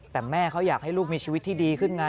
แต่แม่เขาอยากให้ลูกมีชีวิตที่ดีขึ้นไง